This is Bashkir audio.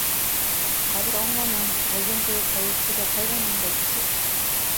Хәҙер аңланым: беҙҙең кеүек хәйерсегә ҡайҙан ундай кеше?